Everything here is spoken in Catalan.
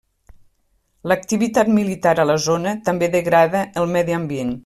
L'activitat militar a la zona també degrada el medi ambient.